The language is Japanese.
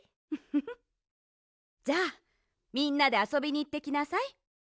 フフフじゃあみんなであそびにいってきなさい。